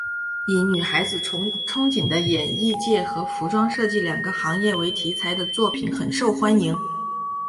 以女孩子憧憬的演艺界和服装设计两种行业为题材的作品很受欢迎。